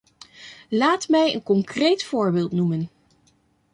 Laat mij een concreet voorbeeld noemen.